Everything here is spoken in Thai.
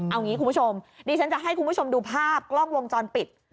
เอางี้คุณผู้ชมดิฉันจะให้คุณผู้ชมดูภาพกล้องวงจรปิด